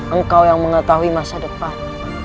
engkau yang mengetahui masa depan